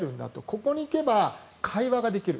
ここに行けば会話ができる